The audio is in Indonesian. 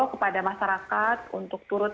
kepada masyarakat untuk turut